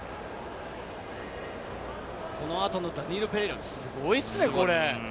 この後のダニーロ・ペレイラ、すごいですよね。